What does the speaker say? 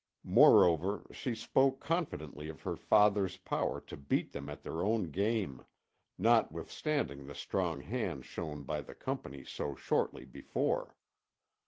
Moreover, she spoke confidently of her father's power to beat them at their own game, notwithstanding the strong hand shown by the Company so shortly before.